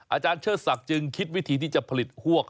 อาจารย์เชิดศักดิ์จึงคิดวิธีที่จะผลิตพวก